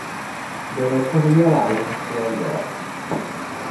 bɛ ni kuhi yɛli a wuntia yɛla.